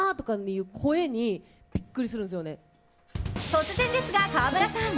突然ですが、川村さん。